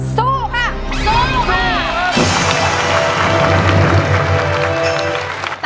สู้ค่ะสู้ค่ะ